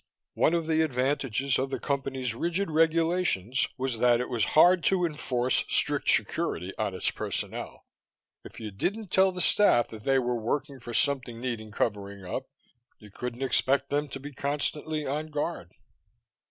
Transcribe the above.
One of the advantages of the Company's rigid regulations was that it was hard to enforce strict security on its personnel. If you didn't tell the staff that they were working for something needing covering up, you couldn't expect them to be constantly on guard.